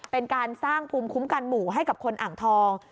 เป็นการสร้างภูมิคุ้มกันหมู่ให้กับคนอ่างทอง